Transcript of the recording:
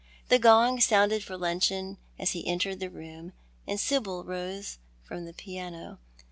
The goug sounded for luncheon as he entered the room, and Sybil rose from the piano.